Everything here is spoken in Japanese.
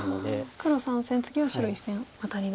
黒３線の次は白１線ワタリで。